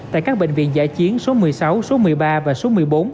tại các bệnh viện giả chiến số một mươi sáu số một mươi ba và số một mươi bốn